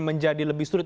menjadi lebih sulit